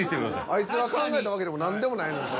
あいつが考えたわけでも何でもないのに。